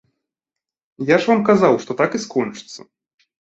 Я ж вам казаў, што так і скончыцца.